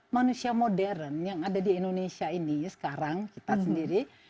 manusia modern yang ada di indonesia ini sekarang kita sendiri